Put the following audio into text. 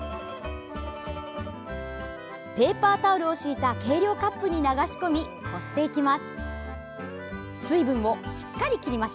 ペーパータオルを敷いた計量カップに流し込みこしていきます。